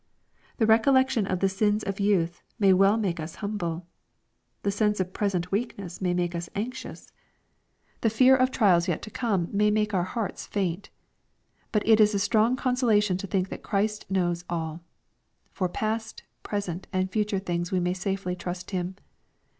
The recol lection of the sins of youth may well make us humble. The sense of present weakness may make us anxious. The LUKE, CHAP. XXI. 869 fear of trials yet to come may make our hearts faint. But it is a strong consolation to think that Christ knows alL For past, present, and future things we may safely trust Him.